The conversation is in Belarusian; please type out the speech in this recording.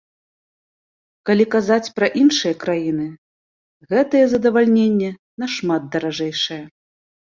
Калі казаць пра іншыя краіны, гэтае задавальненне нашмат даражэйшае.